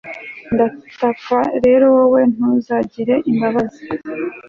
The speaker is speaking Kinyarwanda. Ndataka rero Wowe ntuzagira imbabazi